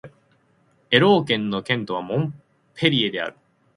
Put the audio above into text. エロー県の県都はモンペリエである